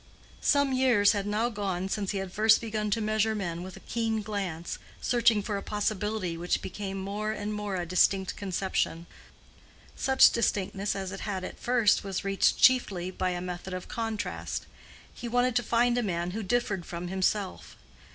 Some years had now gone since he had first begun to measure men with a keen glance, searching for a possibility which became more and more a distinct conception. Such distinctness as it had at first was reached chiefly by a method of contrast: he wanted to find a man who differed from himself.